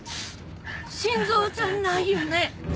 心臓じゃないよね？